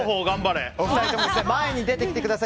お二人とも前に出てきてください。